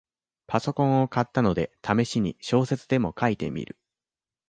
パソコンを買ったので、ためしに小説でも書いてみる